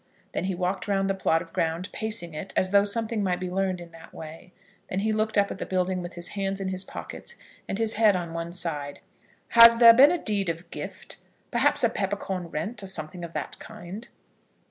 Then he walked round the plot of ground, pacing it, as though something might be learned in that way. Then he looked up at the building with his hands in his pockets, and his head on one side. "Has there been a deed of gift, perhaps a peppercorn rent, or something of that kind?"